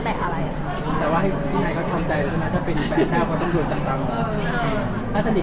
แต่ว่าให้ไฮเขาทำใจใช่ไหมถ้าเป็นแฟร์เต้าเขาต้องโดนจังตรัง